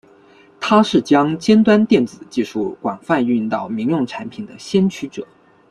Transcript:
他是将尖端电子技术广泛运用到民用产品的先驱者。